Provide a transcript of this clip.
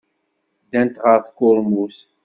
Ddant ɣer tkurmut.